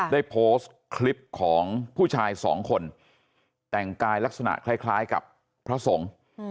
ได้โพสต์คลิปของผู้ชายสองคนแต่งกายลักษณะคล้ายกับพระสงฆ์